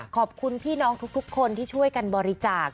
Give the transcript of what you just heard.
ขอบคุณพี่น้องทุกคนที่ช่วยกันบริจาค